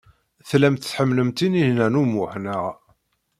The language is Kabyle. Tellamt tḥemmlemt Tinhinan u Muḥ, naɣ?